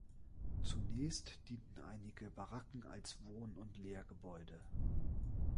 Zunächst dienten einige Baracken als Wohn- und Lehrgebäude.